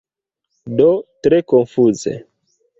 Do tre konfuze.